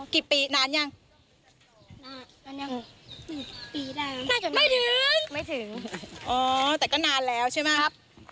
ทีนี้ทางเจ้าของร้านขายของชำแถวนั้นนะคะ